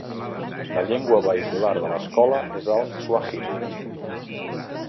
La llengua vehicular de l'escola és el suahili.